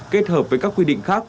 kết hợp với các quy định khác